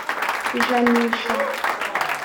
Ijanisha